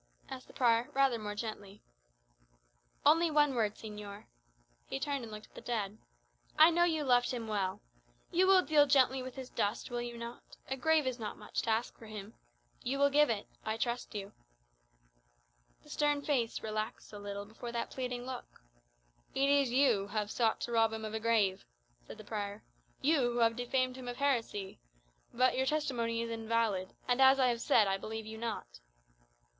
asked the prior rather more gently. "Only one word, señor." He turned and looked at the dead. "I know you loved him well. You will deal gently with his dust, will you not? A grave is not much to ask for him. You will give it; I trust you." The stern set face relaxed a little before that pleading look. "It is you who have sought to rob him of a grave," said the prior "you who have defamed him of heresy. But your testimony is invalid; and, as I have said, I believe you not."